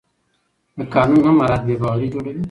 د قانون نه مراعت بې باوري جوړوي